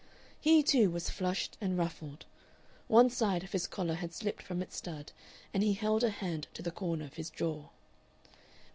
He too was flushed and ruffled; one side of his collar had slipped from its stud and he held a hand to the corner of his jaw.